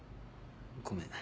ごめん。